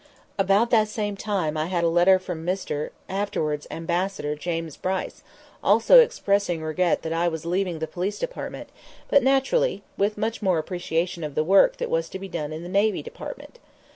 About the same time I had a letter from Mr. (afterwards Ambassador) James Bryce, also expressing regret that I was leaving the Police Department, but naturally with much more appreciation of the work that was to be done in the Navy Department.